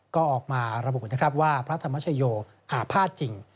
ก็ออกมาระบุนะครับว่าพระธรรมชโยหาภาษณ์จริง